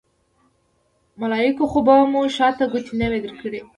ملایکو خو به مو شاته ګوتې نه وي درکړې.